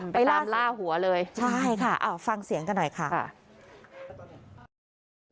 ไปล่าหัวเลยใช่ค่ะอ้าวฟังเสียงกันหน่อยค่ะค่ะ